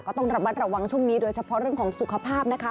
ก็ต้องระมัดระวังช่วงนี้โดยเฉพาะเรื่องของสุขภาพนะคะ